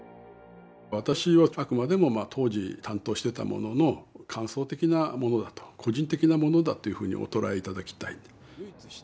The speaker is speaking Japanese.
私はあくまでも当時担当してた者の感想的なものだと個人的なものだというふうにお捉え頂きたい。